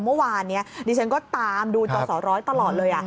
เมื่อวานนี้ดิฉันก็ตามดูจอสอร้อยตลอดเลย